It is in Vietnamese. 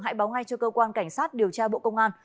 hãy báo ngay cho cơ quan cảnh sát điều tra bộ công an